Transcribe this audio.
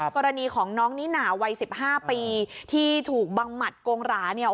กรณีของน้องนิน่าวัย๑๕ปีที่ถูกบังหมัดโกงหราเนี่ย